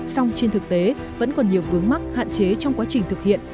xong trên thực tế vẫn còn nhiều vướng mắt hạn chế trong quá trình thực hiện